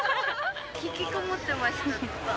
引きこもってました、ずっと。